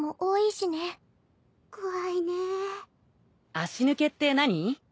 足抜けって何？